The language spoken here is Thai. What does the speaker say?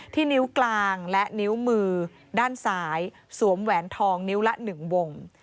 นิ้วกลางและนิ้วมือด้านซ้ายสวมแหวนทองนิ้วละ๑วง